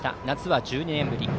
夏は１２年ぶり。